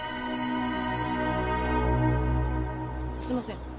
すいません。